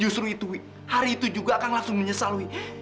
justru itu hari itu juga akan langsung menyesalui